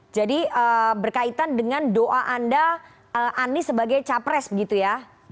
jadi berkaitan dengan doa anda ani sebagai capres begitu ya